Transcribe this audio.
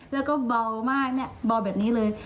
แล้วก็เบามากเนี่ยเบาแบบนี้เลย